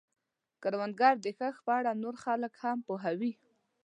کروندګر د کښت په اړه نور خلک هم پوهوي